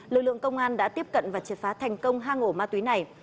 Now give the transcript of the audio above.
lực lượng công an đã tiếp cận và trệt phá thành công hang ổ ma túy này